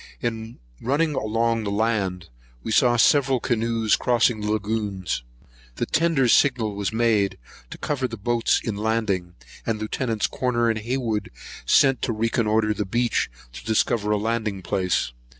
In running along the land, we saw several canoes crossing the lagoons. The tender's signal was made, to cover the boats in landing, and Lieuts. Corner and Hayward sent to reconnoitre the beach, to discover a landing place.